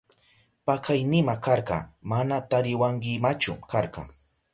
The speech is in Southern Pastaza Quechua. Pakaynima karka, mana tariwankimachu karka.